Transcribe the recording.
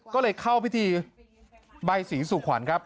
ก็เลยเข้าพิธีใบสีสู่ขวัญครับ